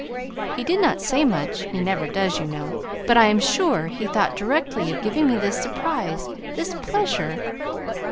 He did not say much he never does, you know; but I am sure he thought directly of giving me this surprise, this pleasure.